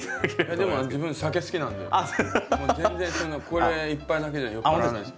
でも自分酒好きなんでもう全然これ１杯だけじゃ酔っぱらわないです。